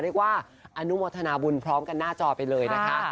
เรียกว่าอนุโมทนาบุญพร้อมกันหน้าจอไปเลยนะคะ